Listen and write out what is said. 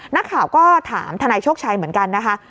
นักข่าวก็ถามทนายโชคชัยเหมือนกันนะคะ